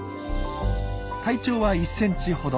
体長は１センチほど。